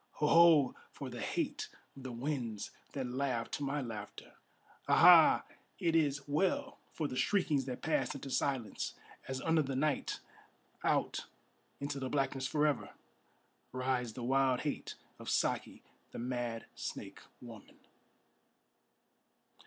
Ho! Ho! for the hate of the winds that laugh to my laughter! Ha! Ha! it is well for the shriekings that pass into silence, As under the night, out into the blackness for ever, Rides the wild hate of Saki, the mad snake woman!